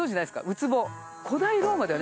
ウツボ。